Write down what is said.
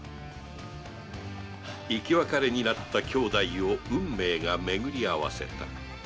生き別れになった兄弟を運命がめぐりあわせた